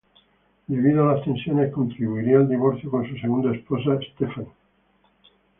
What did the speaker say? Debido a las tensiones contribuiría el divorcio con su segunda esposa Stephanie.